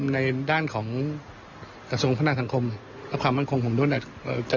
ในด้านของกระทรวงพนักสังคมและความมั่นคงของโดนเนี่ย